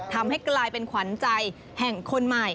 ทำให้กลายเป็นขวัญใจแห่งคนใหม่